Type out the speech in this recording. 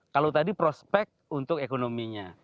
kalau tadi prospek untuk ekonominya